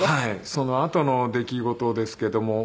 そのあとの出来事ですけども。